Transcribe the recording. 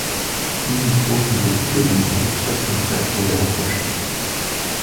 Himiko vivait coupée du monde, seul son frère pouvait l'approcher.